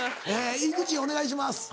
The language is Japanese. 井口お願いします。